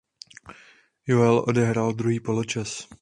Joel odehrál druhý poločas.